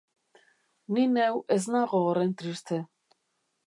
Ni neu ez nago horren triste.